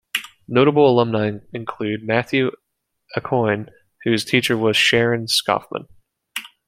Notable alumni include Matthew Aucoin, whose teacher was Sharon Schoffman.